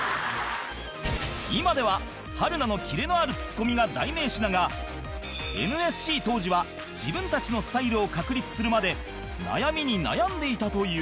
今では春菜のキレのあるツッコミが代名詞だが ＮＳＣ 当時は自分たちのスタイルを確立するまで悩みに悩んでいたという